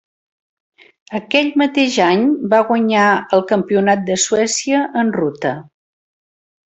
Aquell mateix any va guanyar el Campionat de Suècia en ruta.